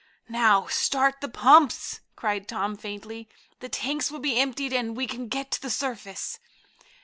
"Now start the pumps!" cried Tom faintly. "The tanks will be emptied, and we can get to the surface."